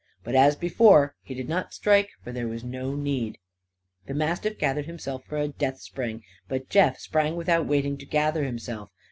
But, as before, he did not strike; for there was no need. The mastiff gathered himself for a death spring. But Jeff sprang without waiting to gather himself.